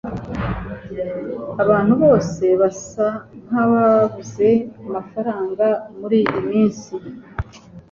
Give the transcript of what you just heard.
Abantu bose basa nkabuze amafaranga muriyi minsi.